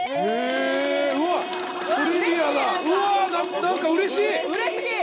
うれしい。